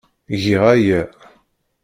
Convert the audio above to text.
Giɣ aya.